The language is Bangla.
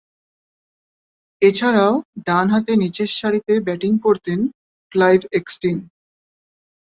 এছাড়াও, ডানহাতে নিচেরসারিতে ব্যাটিং করতেন ক্লাইভ এক্সটিন।